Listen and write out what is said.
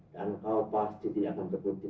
dan kau pasti dia akan terpunjukan